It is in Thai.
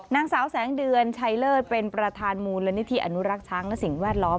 นางสาวแสงเดือนชัยเลิศเป็นประธานมูลนิธิอนุรักษ์ช้างและสิ่งแวดล้อม